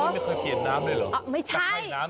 มีใครเคยเกียรติน้ำด้วยเหรอ